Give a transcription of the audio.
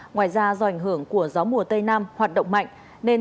ngoài ra do ảnh hưởng của gió mùa tây nam hoạt động mạnh nên